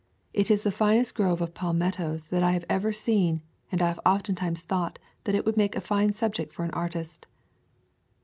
It is the finest grove of palmettos I have ever seen and I have oftentimes thought that it would make a fine subject for an artist."